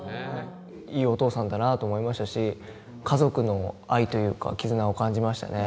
いいお父さんだなと思いましたし家族の愛というか絆を感じましたね。